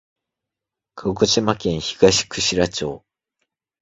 鹿児島県東串良町